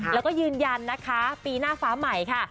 แล้วก็ยืนยันนะคะปีหน้าฟ้าใหม่ค่ะ